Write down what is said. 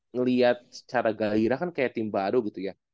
ngelihat secara gairah kan kayak tim baru gitu ya